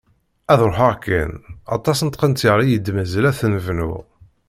Ad ruḥeɣ kan, aṭas n tqenṭyar i yi-d-mazal ad tent-bnuɣ!